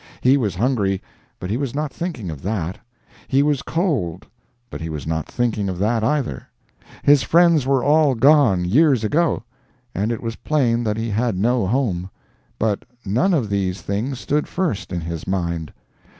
He was hungry, but he was not thinking of that; he was cold, but he was not thinking of that, either; his friends were all gone, years ago, and it was plain that he had no home—but none of these things stood first in his mind.